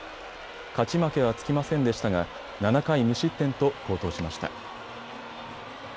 勝ち負けはつきませんでしたが、７回無失点と好投しました。